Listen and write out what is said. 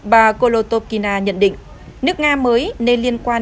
bà kolotokina nhận định nước nga mới nên liên quan đến